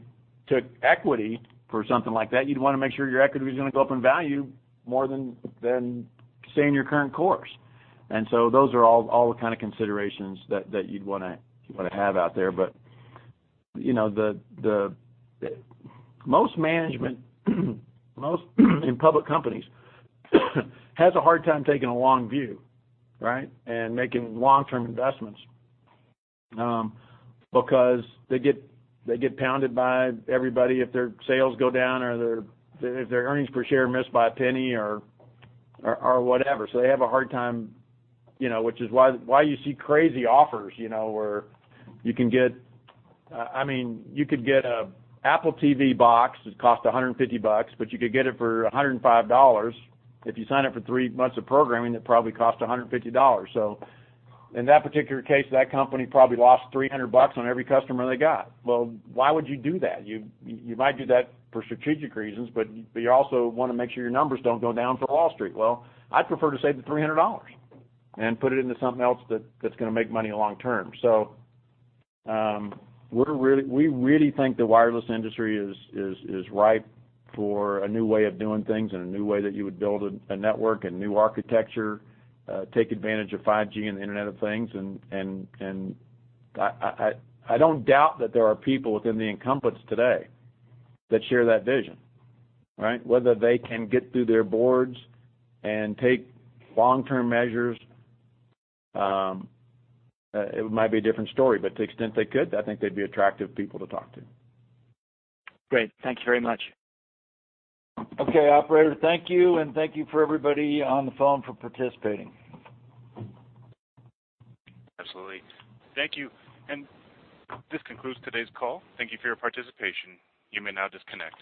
Speaker 6: took equity for something like that, you'd wanna make sure your equity is gonna go up in value more than staying your current course. Those are all the kind of considerations that you'd wanna have out there. You know, most management, most in public companies has a hard time taking a long view, right? Making long-term investments because they get pounded by everybody if their sales go down or if their earnings per share missed by a penny or whatever. They have a hard time, you know, which is why you see crazy offers, you know, where you can get, I mean, you could get an Apple TV box that cost $150, but you could get it for $105 if you sign up for three months of programming that probably cost $150. In that particular case, that company probably lost $300 on every customer they got. Well, why would you do that? You might do that for strategic reasons, but you also wanna make sure your numbers don't go down for Wall Street. Well, I'd prefer to save the $300 and put it into something else that's gonna make money long term. We really think the wireless industry is ripe for a new way of doing things and a new way that you would build a network, a new architecture, take advantage of 5G and the Internet of Things. I don't doubt that there are people within the incumbents today that share that vision, right? Whether they can get through their boards and take long-term measures, it might be a different story, but to the extent they could, I think they'd be attractive people to talk to.
Speaker 19: Great. Thank you very much.
Speaker 6: Okay, operator. Thank you, and thank you for everybody on the phone for participating.
Speaker 1: Absolutely. Thank you. This concludes today's call. Thank you for your participation. You may now disconnect.